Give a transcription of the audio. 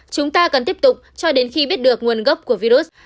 chúng ta cần tiếp tục cho đến khi biết được nguồn gốc của virus